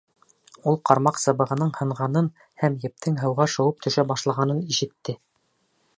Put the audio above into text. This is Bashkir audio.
Ул ҡармаҡ сыбығының һынғанын һәм ептең һыуға шыуып төшә башлағанын ишетте.